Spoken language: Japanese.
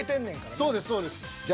そうですそうです。